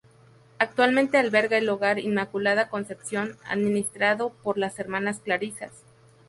Actualmente alberga el Hogar Inmaculada Concepción, administrado por las Hermanas clarisas.